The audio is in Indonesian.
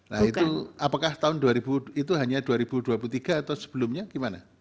nah itu apakah tahun dua ribu itu hanya dua ribu dua puluh tiga atau sebelumnya gimana